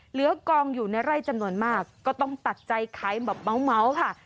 เหลือกองอยู่ในไร่จำนวนมากก็ต้องตัดใจขายแบบเมาส์ค่ะ